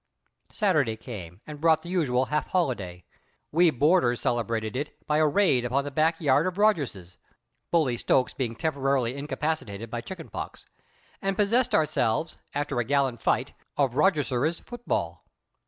Saturday came, and brought the usual half holiday. We boarders celebrated it by a raid upon the back yard of Rogerses Bully Stokes being temporarily incapacitated by chicken pox and possessed ourselves, after a gallant fight, of Rogerses' football.